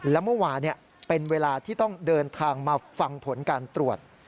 และเมื่อวานเป็นเวลาที่ต้องเดินทางมาฟังผลการตรวจ